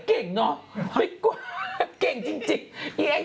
เก่งเนอะเก่งจริง